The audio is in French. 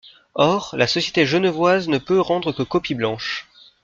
Or, la Société genevoise ne peut rendre que copie blanche.